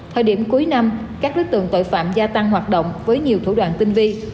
thời điểm cuối năm các đối tượng tội phạm gia tăng hoạt động với nhiều thủ đoạn tinh vi